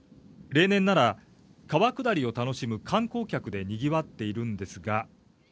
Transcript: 例年なら川下りを楽しむ観光客でにぎわっているんですが。